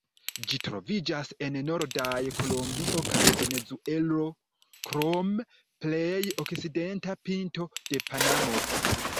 Ĝi troviĝas en nordaj Kolombio kaj Venezuelo, krom plej okcidenta pinto de Panamo.